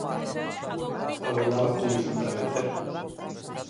Abondaba con iso para vencer.